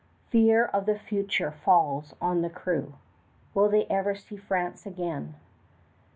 Fear of the future falls on the crew. Will they ever see France again?